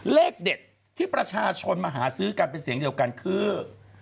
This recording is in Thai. เลขเด็ดที่ประชาชนมาหาซื้อกันเป็นเสียงเดียวกันคือ